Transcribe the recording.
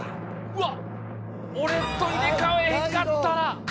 うわっ俺と入れ替えへんかったら。